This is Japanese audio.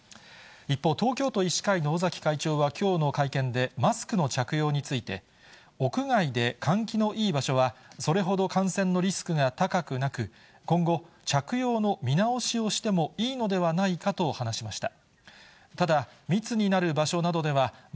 一方、東京都医師会の尾崎会長はきょうの会見で、マスクの着用について、屋外で換気のいい場所は、それほど感染のリスクが高くなく、今後、着用の見直しをしてもいいのではないかと話しました。